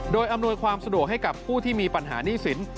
โดยอำนวยความสะดวกให้กับผู้ที่มีปัญหาหนี้สิน